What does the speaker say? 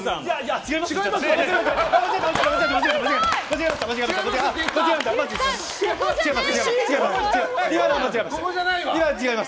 違います。